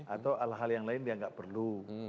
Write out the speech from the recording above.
atau hal hal yang lain yang tidak perlu